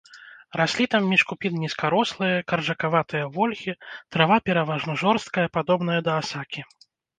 Раслі там між купін нізкарослыя, каржакаватыя вольхі, трава пераважна жорсткая, падобная да асакі.